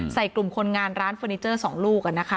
ใส่กลุ่มคนงานร้านเฟอร์นิเจอร์สองลูกกันนะคะ